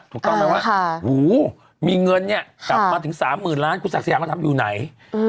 ถูกต้องไหมว่ามีเงินเนี่ยกลับมาถึง๓๐๐๐ล้านคุณศักดิ์สยามก็ทำอยู่ไหน